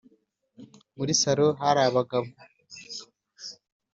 muri salon hari abagabo